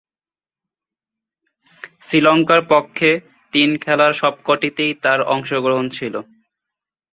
শ্রীলঙ্কার পক্ষে তিন খেলার সবকটিতেই তার অংশগ্রহণ ছিল।